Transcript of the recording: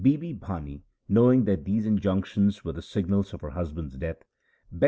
Bibi Bhani, knowing that these injunctions were the signals of her husband's death, begged him to 1 Suhi.